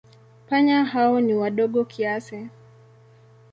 Panya hao ni wadogo kiasi.